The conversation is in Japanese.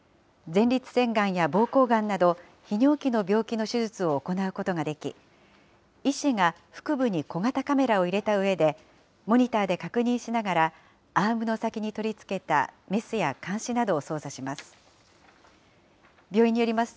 前立腺がんやぼうこうがんなど、泌尿器の病気の手術を行うことができ、医師が腹部に小型カメラを入れたうえで、モニターで確認しながら、アームの先に取り付けたメスやかんしなどを操作します。